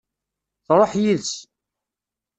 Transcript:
Truḥ yid-s.